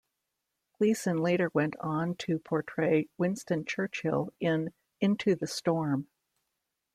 Gleeson later went on to portray Winston Churchill in "Into the Storm".